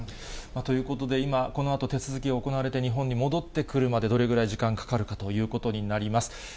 ということで、今、このあと手続きが行われて、日本に戻ってくるまで、どれぐらい時間がかかるかということになります。